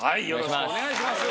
お願いします。